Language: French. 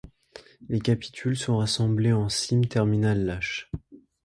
Les capitules sont rassemblées en cyme terminale lâches.